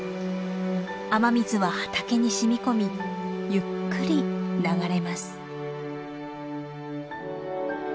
雨水は畑に染み込みゆっくり流れます。